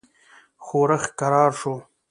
ښورښ کرار شو.